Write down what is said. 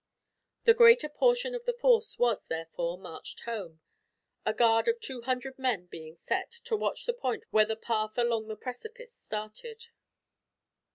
The greater portion of the force was, therefore, marched home; a guard of two hundred men being set, to watch the point where the path along the precipice started.